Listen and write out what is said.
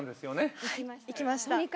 はい行きました。